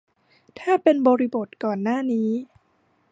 ถ้าเป็นบริบทก่อนหน้านี้